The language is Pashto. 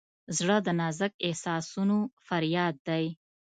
زړه د نازک احساسونو فریاد دی.